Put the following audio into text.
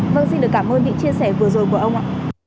vâng xin được cảm ơn những chia sẻ vừa rồi của ông ạ